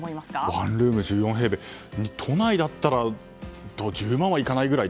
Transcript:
１ルーム１４平米、都内なら１０万はいかないくらい。